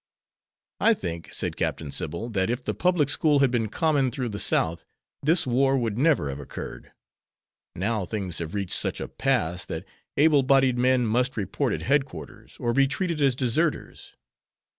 "I think," said Captain Sybil, "that if the public school had been common through the South this war would never have occurred. Now things have reached such a pass that able bodied men must report at headquarters, or be treated as deserters.